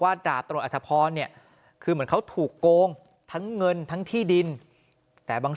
ว่าตำรวจอัฐพรณ์เนี่ยเขาถูกกโกงทั้งเงินทั้งที่ดินแต่บาง